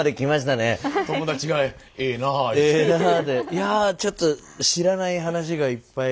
いやちょっと知らない話がいっぱい。